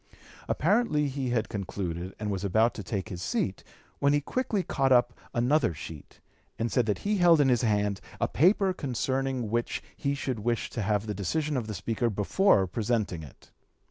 Apparently he had concluded and was about to take his seat, when he quickly caught up another sheet, and said that he held in his hand a paper concerning which he should wish to have the decision of the Speaker before presenting it.